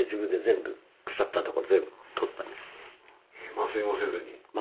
麻酔もせずに？